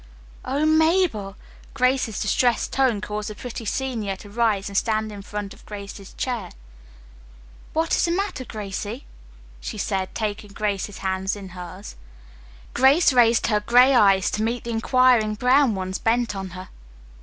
"Oh, Mabel!" Grace's distressed tone caused the pretty senior to rise and stand in front of Grace's chair. "What's the matter, Gracie," she said, taking Grace's hands in hers. Grace raised her gray eyes to meet the inquiring brown ones bent on her.